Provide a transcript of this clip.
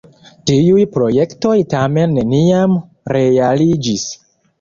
Tiuj projektoj tamen neniam realiĝis.